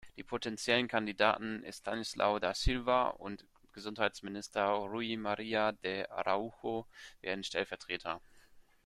Die potentiellen Kandidaten Estanislau da Silva und Gesundheitsminister Rui Maria de Araújo werden Stellvertreter.